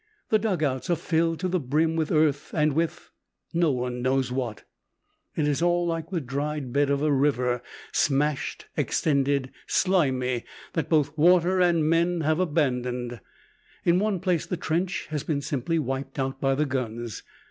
The dug outs are filled to the brim with earth and with no one knows what. It is all like the dried bed of a river, smashed, extended, slimy, that both water and men have abandoned. In one place the trench has been simply wiped out by the guns.